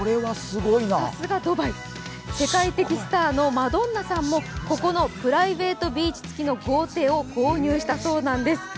さすがドバイ世界的スターのマドンナさんもここのプライベートビーチ付きの豪邸を購入したそうなんです。